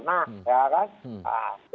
misalkan penyadapan ya